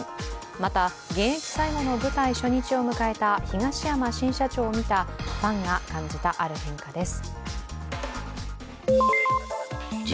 また現役最後の舞台初日を迎えた東山新社長を見たファンが感じたある変化です